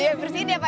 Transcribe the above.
ya bersihin ya pak